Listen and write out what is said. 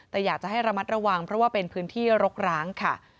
แต่อยากจะให้ระมัดระวังเพราะว่าเป็นพื้นที่รกร้างค่ะ